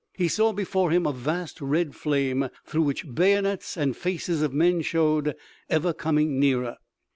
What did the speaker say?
He saw before him a vast red flame, through which bayonets and faces of men showed, ever coming nearer.